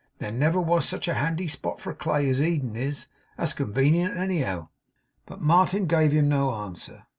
There never was such a handy spot for clay as Eden is. That's convenient, anyhow.' But Martin gave him no answer.